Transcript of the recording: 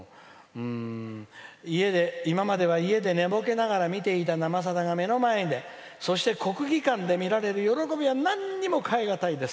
「今までは家で寝ぼけながら見ていた「生さだ」が目の前でそして国技館で見られる喜びはなんにも代えがたいです。